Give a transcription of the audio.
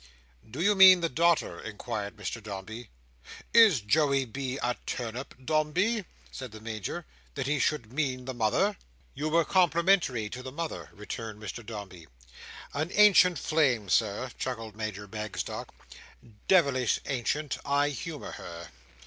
"Do you mean the daughter?" inquired Mr Dombey. "Is Joey B. a turnip, Dombey," said the Major, "that he should mean the mother?" "You were complimentary to the mother," returned Mr Dombey. "An ancient flame, Sir," chuckled Major Bagstock. "Devilish ancient. I humour her."